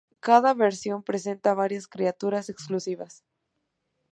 Cada versión presenta varias criaturas exclusivas.